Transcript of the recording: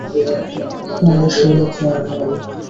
না, এই সেই লোক নয়, মেল।